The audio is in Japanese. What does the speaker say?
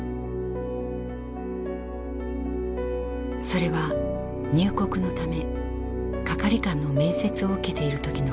それは入国のため係官の面接を受けている時のことでした。